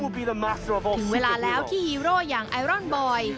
ถึงเวลาแล้วที่ฮีโร่อย่างไอรอนบอย